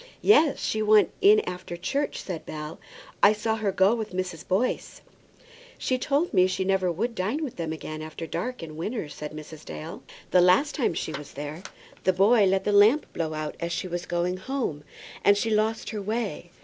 "Yes; she went in after church," said Bell. "I saw her go with Mrs. Boyce." "She told me she never would dine with them again after dark in winter," said Mrs. Dale. "The last time she was there, the boy let the lamp blow out as she was going home, and she lost her way.